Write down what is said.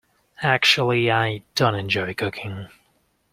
Actually, I don't enjoy cooking.